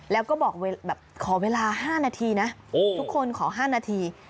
แล้วก็บอกขอเวลา๕นาทีนะทุกคนขอ๕นาที